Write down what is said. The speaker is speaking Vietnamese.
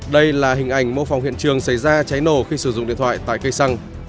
đây là hình ảnh mô phòng hiện trường xảy ra cháy nổ khi sử dụng điện thoại tại cây xăng